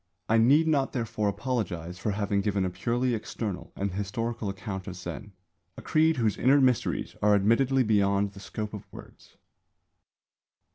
I need not therefore apologise for having given a purely external and historical account of Zen, a creed whose inner mysteries are admittedly beyond the scope of words.